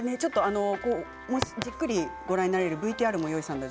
じっくりご覧になれるＶＴＲもご用意しました。